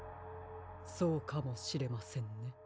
そうかもしれませんね。